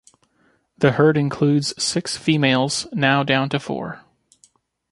The herd includes six females, now down to four.